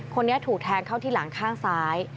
คนนี้ถูกแทงเข้าที่หลังข้างซ้าย